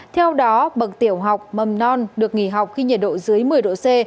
theo đó bậc tiểu học mầm non được nghỉ học khi nhiệt độ dưới một mươi độ c